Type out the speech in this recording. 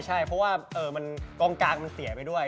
ใช่เพราะว่ากองกลางมันเสียไปด้วย